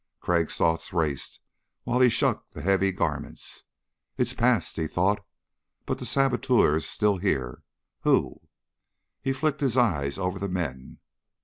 Crag's thoughts raced while he shucked the heavy garments. It's past, he thought, but the saboteur's still here. Who? He flicked his eyes over the men.